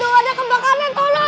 aduh ada kebakaran tolong